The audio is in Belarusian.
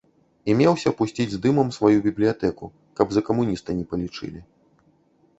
І меўся пусціць з дымам сваю бібліятэку, каб за камуніста не палічылі.